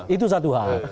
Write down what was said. itu satu hal